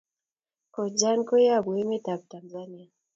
Kojan ko yapu emet ab Tanzania